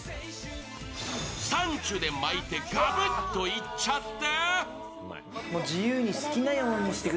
サンチュで巻いて、がぶっといっちゃって。